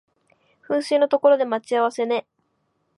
噴水の所で待ち合わせね